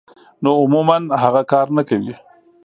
نو عموماً هغه کار نۀ کوي -